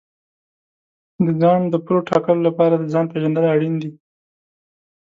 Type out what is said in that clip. د ځان د پولو ټاکلو لپاره د ځان پېژندل اړین دي.